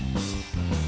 jangan share emosi